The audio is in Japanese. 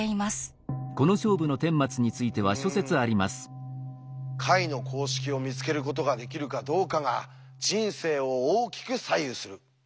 うん解の公式を見つけることができるかどうかが人生を大きく左右する。